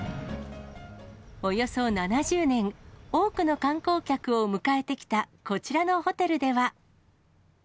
およそ７０年、多くの観光客を迎えてきたこちらのホテルでは。